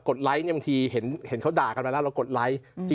กดไลค์บางทีเห็นเขาด่ากันละเรากดไลค์